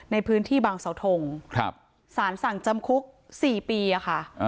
ในพื้นที่บางเสาทงสารสั่งจำคุก๔ปีอะค่ะ